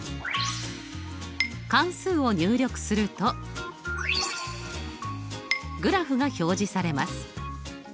関数を入力するとグラフが表示されます。